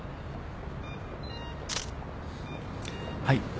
はい。